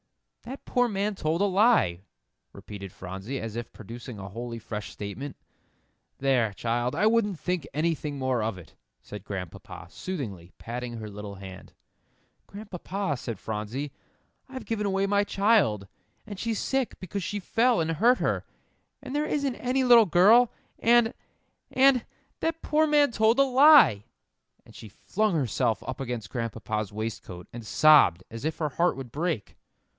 "That poor man told a lie," repeated Phronsie, as if producing a wholly fresh statement. "There, child, I wouldn't think anything more of it," said Grandpapa, soothingly, patting her little hand. "Grandpapa," said Phronsie, "I've given away my child, and she's sick because she fell and hurt her, and there isn't any little girl, and and that poor man told a lie!" And she flung herself up against Grandpapa's waistcoat, and sobbed as if her heart would break.